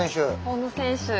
小野選手。